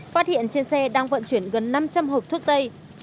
phát hiện trên xe đang vận chuyển gần năm trăm linh hộp thuốc tây